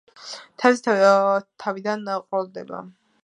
თევზი თავიდან ყროლდება.